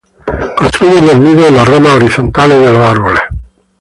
Construyen los nidos en las ramas horizontales de árboles.